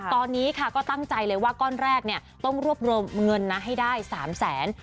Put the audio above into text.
ตอนนี้ค่ะก็ตั้งใจเลยว่าก้อนแรกเนี่ยต้องรวบรวมเงินนะให้ได้๓แสน